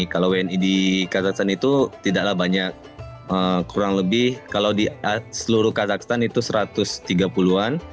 kalau wni di kazakhstan itu tidaklah banyak kurang lebih kalau di seluruh kazakhstan itu satu ratus tiga puluh an